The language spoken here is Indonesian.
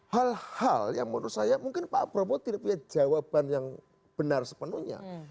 hal hal yang menurut saya mungkin pak prabowo tidak punya jawaban yang benar sepenuhnya